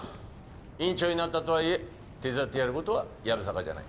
院長になったとはいえ手伝ってやる事はやぶさかじゃない。